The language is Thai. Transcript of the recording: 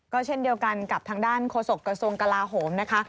ก็เช่นเดียวกันกับทางด้านโฆษกระทรวงกลาโหมนะคะ